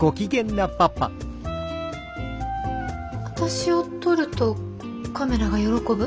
私を撮るとカメラが喜ぶ？